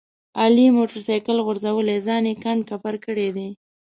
علي موټر سایکل غورځولی ځان یې کنډ کپر کړی دی.